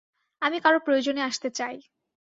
আমি কারো প্রয়োজনে আসতে চাই!